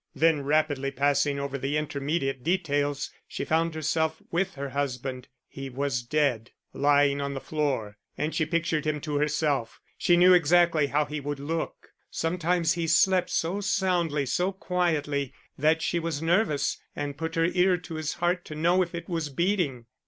Then, rapidly passing over the intermediate details she found herself with her husband. He was dead, lying on the floor and she pictured him to herself, she knew exactly how he would look; sometimes he slept so soundly, so quietly, that she was nervous and put her ear to his heart to know if it was beating.